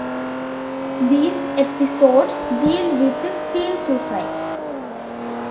These episodes deal with teen suicide.